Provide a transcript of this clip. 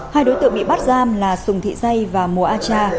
hai đối tượng bị bắt giam là sùng thị dây và mùa a cha